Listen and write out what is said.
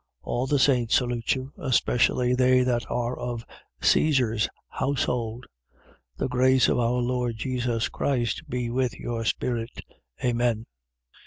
All the saints salute you: especially they that are of Caesar's household. 4:23. The grace of our Lord Jesus Christ be with your spirit. Amen.